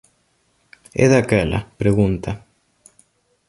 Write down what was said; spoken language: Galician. E daquela? –pregunta.